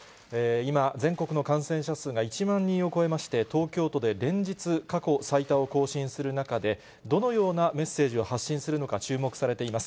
今、全国の感染者数が１万人を超えまして、東京都で連日、過去最多を更新する中で、どのようなメッセージを発信するのか、注目されています。